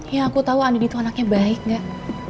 ya aku tau andin itu anaknya baik gak